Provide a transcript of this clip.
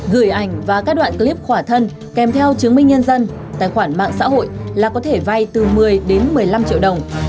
gửi ảnh và các đoạn clip khỏa thân kèm theo chứng minh nhân dân tài khoản mạng xã hội là có thể vay từ một mươi đến một mươi năm triệu đồng